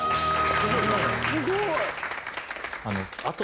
すごい。